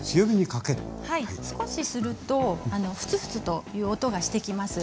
少しするとフツフツという音がしてきます。